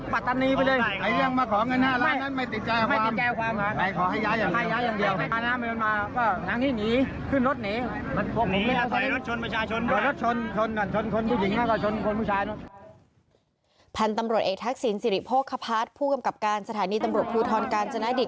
พันธุ์ตำรวจเอกทักษิณสิริโภคพัฒน์ผู้กำกับการสถานีตำรวจภูทรกาญจนดิต